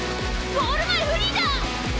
ゴール前フリーだ！